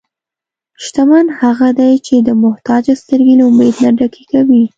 شتمن هغه دی چې د محتاج سترګې له امید نه ډکې کوي.